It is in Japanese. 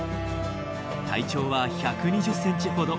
体長は１２０センチほど。